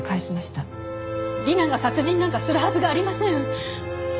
理奈が殺人なんかするはずがありません！